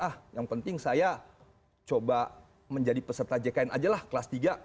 ah yang penting saya coba menjadi peserta jkn aja lah kelas tiga